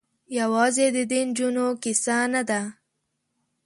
یوازې د دې نجونو کيسه نه ده.